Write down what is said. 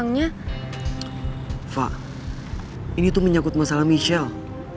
gak nyokut masalah michelle